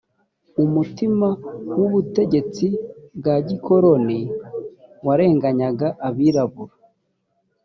umutima w ‘ubutegetsi bwa gikoroni warenganyaga abirabura.